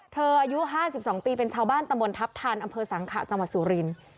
อายุ๕๒ปีเป็นชาวบ้านตำบลทัพทันอำเภอสังขะจังหวัดสุรินทร์